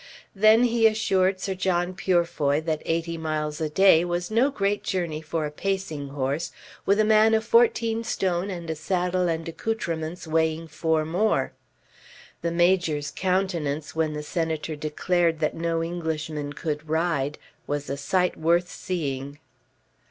Then he assured Sir John Purefoy that eighty miles a day was no great journey for a pacing horse, with a man of fourteen stone and a saddle and accoutrements weighing four more. The Major's countenance, when the Senator declared that no Englishman could ride, was a sight worth seeing.